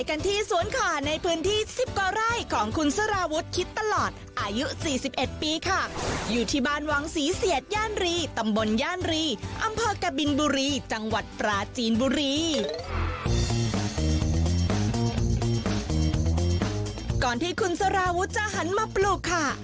ก่อนที่คุณสารวุฒิจะหันมาปลูกค่ะ